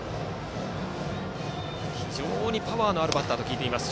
非常にパワーのあるバッターと聞いています。